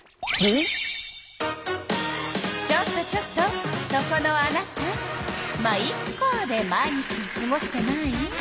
ちょっとちょっとそこのあなた「ま、イッカ」で毎日をすごしてない？